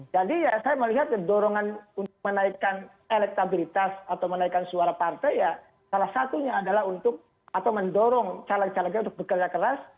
jadi saya melihat kedorongan untuk menaikkan elektabilitas atau menaikan suara partai ya salah satunya adalah untuk atau mendorong caleg calegnya untuk bekerja keras